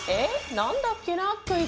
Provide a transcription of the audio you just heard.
なんだっけなクイズ！